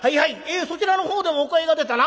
えそちらの方でもお声が出たな。